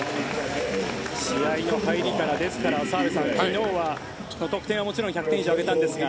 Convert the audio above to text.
試合の入りから澤部さん、昨日は得点はもちろん１００点以上挙げたんですが